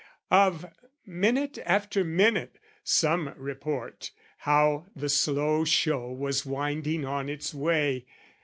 "Of, minute after minute, some report "How the slow show was winding on its way.